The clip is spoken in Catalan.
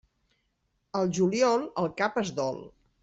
Al juliol, el cap es dol.